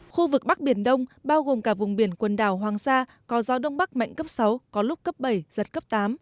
khu vực bắc biển đông bao gồm cả vùng biển quần đảo hoàng sa có gió đông bắc mạnh cấp sáu có lúc cấp bảy giật cấp tám